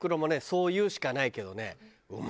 そう言うしかないけどね。